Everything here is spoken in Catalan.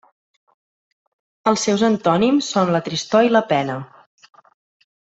Els seus antònims són la tristor i la pena.